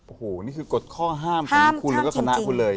โอ้โหนี่คือกฎข้อห้ามของคุณแล้วก็คณะคุณเลย